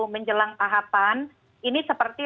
menjelang tahapan ini seperti